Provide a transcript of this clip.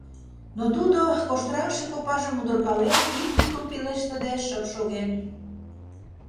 Но тудо, коштыраҥше копажым удыркален, ик мутым пелештыде шып шоген.